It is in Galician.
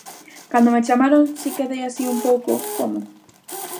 Cando me chamaron si quedei así un pouco... "como?".